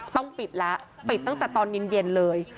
ต้องปิดแล้วปิดตั้งแต่ตอนเย็นเลย